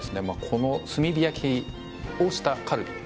この炭火焼きをしたカルビ